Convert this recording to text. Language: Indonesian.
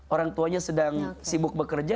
orang tuanya sedang sibuk bekerja